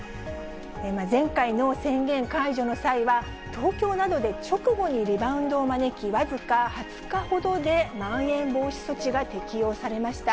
前回の宣言解除の際は、東京などで直後にリバウンドを招き、僅か２０日ほどでまん延防止措置が適用されました。